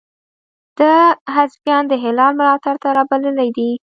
ده حزبیان د هلال ملاتړ ته را بللي دي.